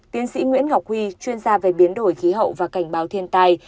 tiến sĩ nguyễn ngọc huy chuyên gia về biến đổi khí hậu và cảnh báo thiên tai